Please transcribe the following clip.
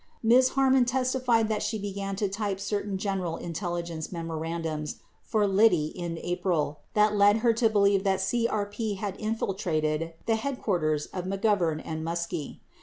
40 Ms. Harmony testified that she began to type certain general in telligence memorandums for Liddy in April that led her to believe that CRP had infiltrated the headquarters of McGovern and Muskie.